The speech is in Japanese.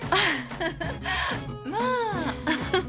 まあ。